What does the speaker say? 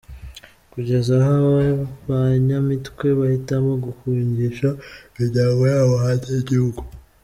Kugeza aho aba ba Nyamitwe bahitamo guhungisha imiryango yabo hanze y’igihugu.